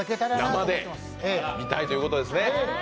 生で見たいということですね。